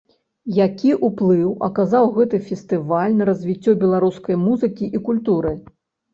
Які ўплыў аказаў гэты фестываль на развіццё беларускай музыкі і культуры?